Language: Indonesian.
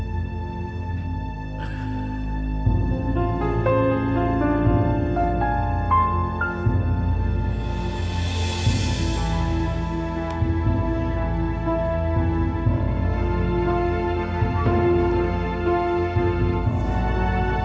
kau sudah tidak bisa lagi memberikan nafkah lahir batin pada bapak